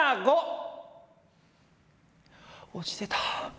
落ちてた。